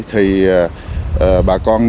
thì bà con nên